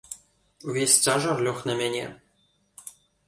Увесь цяжар лёг на мяне.